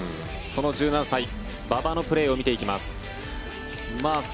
その１７歳、馬場のプレーを見ていきます。